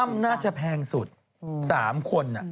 อ้ำน่าจะแพงสุด๓คนน่ะ